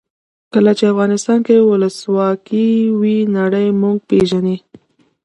کله چې افغانستان کې ولسواکي وي نړۍ موږ پېژني.